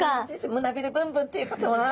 胸びれブンブンっていうことは。